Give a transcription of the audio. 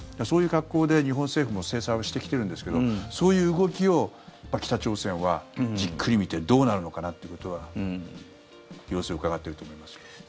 そういう格好で日本政府も制裁をしてきてるんですけどそういう動きを北朝鮮はじっくり見てどうなるのかなということは様子をうかがってると思いますよ。